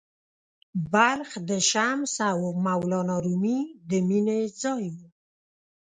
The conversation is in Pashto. بلخ د “شمس او مولانا رومي” د مینې ځای و.